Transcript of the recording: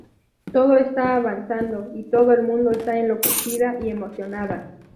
Todo está avanzando y todo el mundo está enloquecida y emocionada".